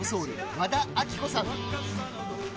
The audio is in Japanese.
和田アキ子さん。